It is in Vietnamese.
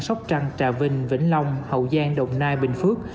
sóc trăng trà vinh vĩnh long hậu giang đồng nai bình phước